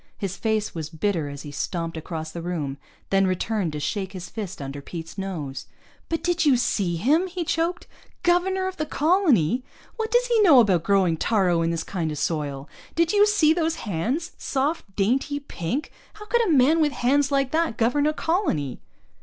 His face was bitter as he stomped across the room, then returned to shake his fist under Pete's nose. "But did you see him?" he choked. "Governor of the colony! What does he know about growing taaro in this kind of soil? Did you see those hands? Soft, dainty, pink! How could a man with hands like that govern a colony?"